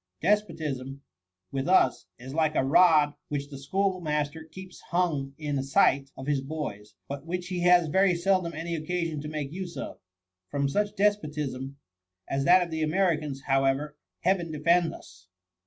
Despotism, with us, is like a rod which the schoolmaster keeps hung up in sight of his boys, but which he has very seldom any occasion to make use of. From such despotism as that of the Americans, however. Heaven defend us